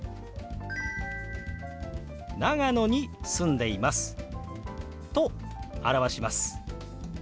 「長野に住んでいます」と表します。